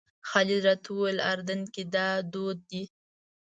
خالد راته وویل اردن کې دا دود دی.